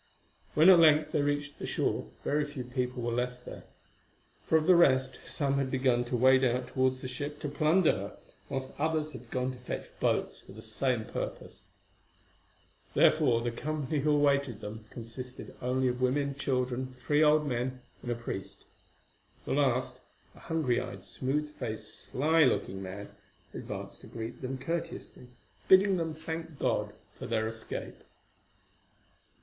When at length they reached the shore, very few people were left there, for of the rest some had begun to wade out towards the ship to plunder her, whilst others had gone to fetch boats for the same purpose. Therefore, the company who awaited them consisted only of women, children, three old men, and a priest. The last, a hungry eyed, smooth faced, sly looking man, advanced to greet them courteously, bidding them thank God for their escape.